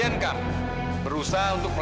anak rambutrank noises